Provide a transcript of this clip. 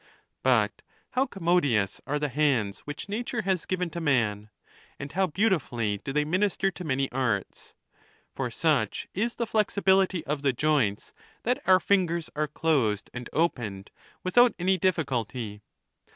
LX. But how commodious are the hands which nature has given to man, and how beautifully do they minister to many arts ! For, such is the flexibility of the joints, that our fingers are closed and opened without any difficult}'.